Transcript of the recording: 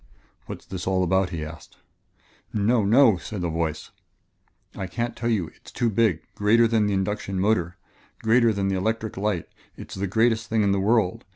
"What's this all about?" he asked. "No no!" said a voice; "I can't tell you it is too big greater than the induction motor greater than the electric light it is the greatest thing in the world.